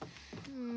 うん。